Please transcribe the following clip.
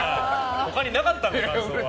他になかったのか、感想は。